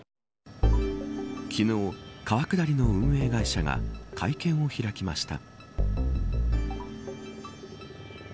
昨日、川下りの運営会社が会見を開きました。